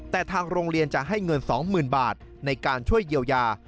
แต่ทางโรงเรียนจะให้เงิน๒๐๐๐บาทในการช่วยเยียวยา